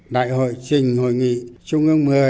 đại hội trình hội nghị trung ương một mươi